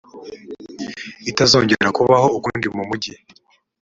itazongera kubaho ukundi mu mugi